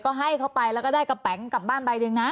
ก็ให้เขาไปแล้วก็ได้กระแป๋งกลับบ้านใบหนึ่งนะ